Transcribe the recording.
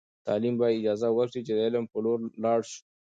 تعلیم باید اجازه ورکړي چې د علم په لور لاړ سو.